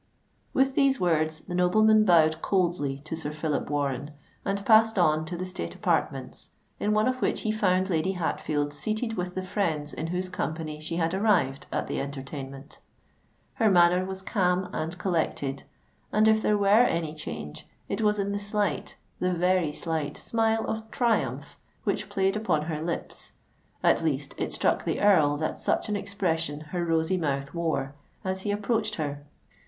With these words the nobleman bowed coldly to Sir Phillip Warren, and passed on to the state apartments, in one of which he found Lady Hatfield seated with the friends in whose company she had arrived at the entertainment. Her manner was calm and collected; and if there were any change, it was in the slight—the very slight smile of triumph which played upon her lip:—at least, it struck the Earl that such an expression her rosy mouth wore, as he approached her.